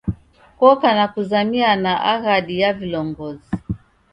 Koka na kuzamiana aghadi ya vilongozi.